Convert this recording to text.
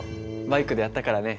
バイクでやったからね。